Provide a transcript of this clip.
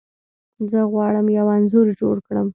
زه غواړم یو انځور جوړ کړم.